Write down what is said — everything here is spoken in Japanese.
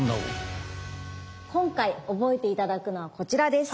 今回覚えて頂くのはこちらです。